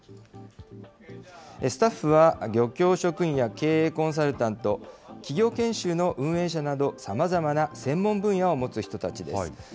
スタッフは漁協職員や経営コンサルタント、企業研修の運営者など、さまざまな専門分野を持つ人たちです。